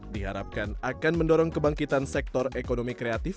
diharapkan akan mendorong kebangkitan sektor ekonomi kreatif